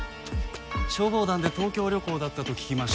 消防団で東京旅行だったと聞きましたよ。